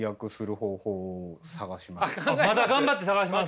まだ頑張って探します？